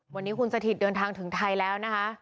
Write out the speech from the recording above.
วันนี้คุณสถิตเดินทางถึงไทยแล้วนะคะ